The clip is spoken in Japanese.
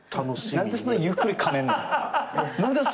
何でそんなゆっくりかめんの？